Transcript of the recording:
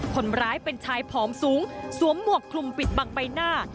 คนร้ายเป็นชายผอมสูงสวมหมวกคลุมปิดบังใบหน้า